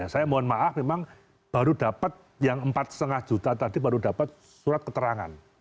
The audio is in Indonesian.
saya mohon maaf memang baru dapat yang empat lima juta tadi baru dapat surat keterangan